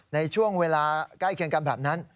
ในช่วงเวลาใกล้เคียงกันแบบนั้น